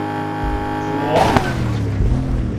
黜